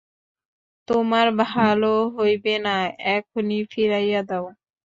তোমার ভালো হইবে না, এখনি ফিরাইয়া দাও।